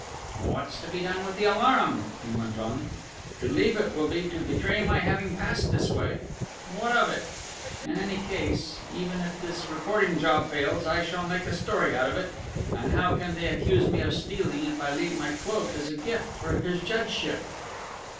"What's to be done with the alarum?" he went on. "To leave it will be to betray my having passed this way what of it?... In any case, even if this reporting job fails, I shall make a story out of it ... and how can they accuse me of stealing if I leave my cloak as a gift for his judgeship!"